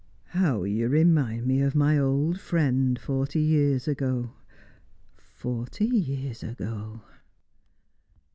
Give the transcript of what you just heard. "How you remind me of my old friend, forty years ago forty years ago!"